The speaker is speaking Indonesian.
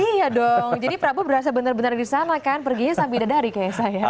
iya dong jadi prabu berasa benar benar di sana kan perginya sambil dadari kayak saya